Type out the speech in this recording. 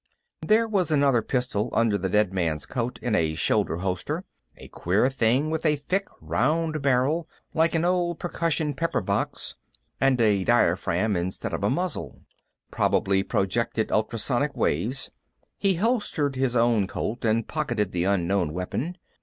There was another pistol under the dead man's coat, in a shoulder holster; a queer thing with a thick round barrel, like an old percussion pepper box, and a diaphragm instead of a muzzle. Probably projected ultrasonic waves. He holstered his own Colt and pocketed the unknown weapon.